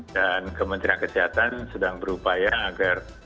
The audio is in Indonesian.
kementerian kesehatan sedang berupaya agar